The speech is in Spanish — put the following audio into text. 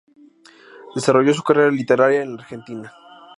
Desarrolló su carrera literaria en la Argentina.